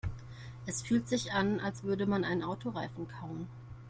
Es fühlt sich an, als würde man einen Autoreifen kauen.